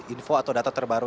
info atau data terbaru